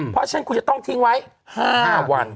เพราะฉะนั้นคุณจะต้องทิ้งไว้๕วัน